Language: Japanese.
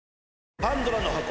パンドラの箱。